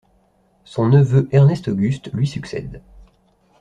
Son neveu Ernest-Auguste lui succède.